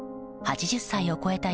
８０歳を超えた